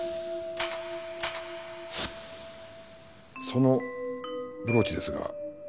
そのブローチですが。